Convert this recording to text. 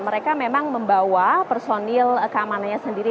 mereka memang membawa personil keamanannya sendiri